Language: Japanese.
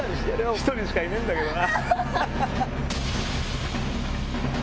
１人しかいねえんだけどな。